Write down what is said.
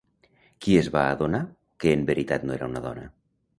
Qui es va adonar que en veritat no era una dona?